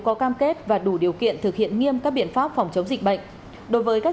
có cam kết và đủ điều kiện thực hiện nghiêm các biện pháp phòng chống dịch bệnh đối với các